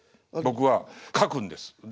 僕は書くんです。